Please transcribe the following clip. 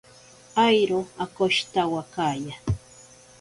Airo akoshitawakaya.